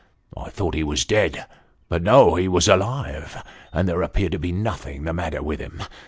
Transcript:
I thought he was dead ; but no, he was alive, and there appeared to be nothing the matter with him.